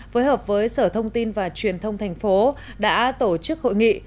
phối hợp với sở thông tin và truyền thông thành phố đã tổ chức hội nghị